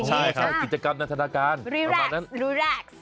ใช่กิจกรรมนักฐานการณ์ประมาณนั้นรีแร็กซ์